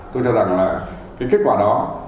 tôi cho rằng là cái kết quả đó